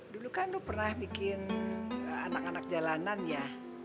dulu kan lu pernah bikin anak anak jalanan ya